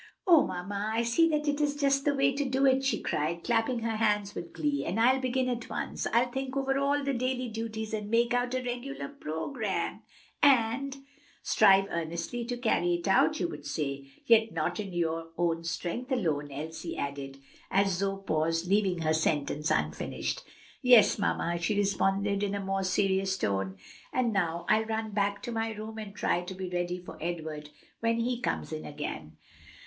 "O mamma, I see that that is just the way to do it!" she cried, clapping her hands with glee, "and I'll begin at once. I'll think over all the daily duties and make out a regular programme, and " "Strive earnestly to carry it out, you would say, yet not in your own strength alone," Elsie added, as Zoe paused, leaving her sentence unfinished. "Yes, mamma," she responded in a more serious tone. "And now, I'll run back to my room and try to be ready for Edward when he comes in again."